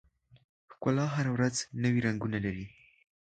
ښکلا هره ورځ نوي رنګونه لري.